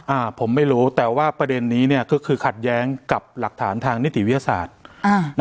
อ่าผมไม่รู้แต่ว่าประเด็นนี้เนี่ยก็คือขัดแย้งกับหลักฐานทางนิติวิทยาศาสตร์อ่า